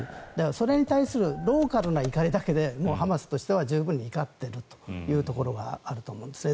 それに対するローカルな怒りだけでハマスとしては十分に怒っているところがあると思うんですね。